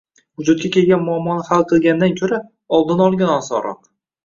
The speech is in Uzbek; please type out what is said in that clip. “Vujudga kelgan muammoni hal qilgandan ko‘ra, oldini olgan osonroq”